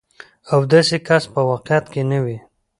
او داسې کس په واقعيت کې نه وي.